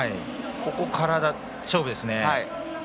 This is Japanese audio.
ここから勝負ですね。